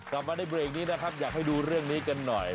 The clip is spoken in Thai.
กลับมาในเบรกนี้นะครับอยากให้ดูเรื่องนี้กันหน่อย